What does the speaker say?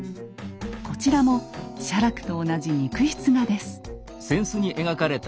こちらも写楽と同じ肉筆画です。